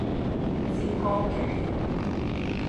Tsikokej